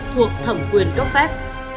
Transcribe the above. thuộc thẩm quyền cấp phép